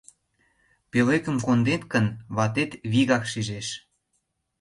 Пӧлекым кондет гын, ватет вигак шижеш.